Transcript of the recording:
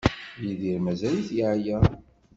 Yidir mazal-it yeɛya?